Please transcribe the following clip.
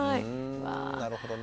なるほどね。